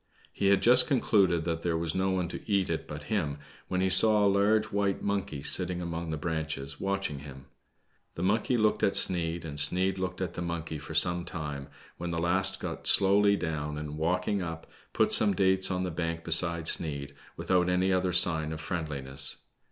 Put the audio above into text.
He had just concluded that there was no one to eat it but him, when he saw a large white monkey sitting among the branches, watching him. The monkey looked at Sneid and Sneid looked at the monkey for some time, when the last got slowly down, and walking up put some dates on the bank beside Sneid, without any other sign of friendliness.